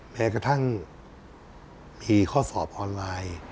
แม้กระทั่งผีข้อสอบออนไลน์